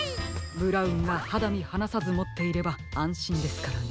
ブラウンがはだみはなさずもっていればあんしんですからね。